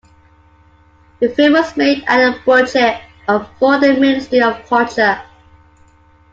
The film was made at the budget of for the Ministry of Culture.